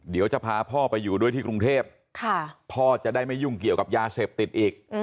เดี๋ยวจะพาพ่อไปอยู่ด้วยที่กรุงเทพพ่อจะได้ไม่ยุ่งเกี่ยวกับยาเสพติดอีก